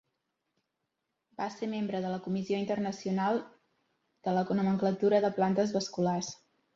Va ser membre de la Comissió Internacional de la Nomenclatura de Plantes Vasculars.